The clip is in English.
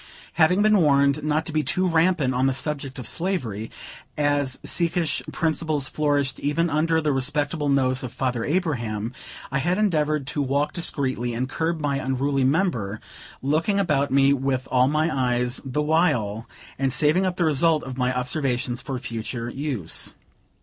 Having been warned not to be too rampant on the subject of slavery, as secesh principles flourished even under the respectable nose of Father Abraham, I had endeavored to walk discreetly, and curb my unruly member; looking about me with all my eyes, the while, and saving up the result of my observations for future use.